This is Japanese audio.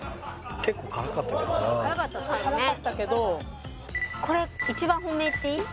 結構辛かったけどな辛かったけどこれ一番本命言っていい？